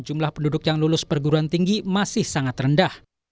jumlah penduduk yang lulus perguruan tinggi masih sangat rendah